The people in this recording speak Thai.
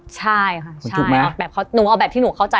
ใช่ค่ะใช่หนูเอาแบบที่หนูเข้าใจ